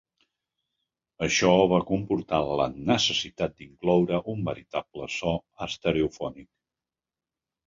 Això va comportar la necessitat d'incloure un veritable so estereofònic.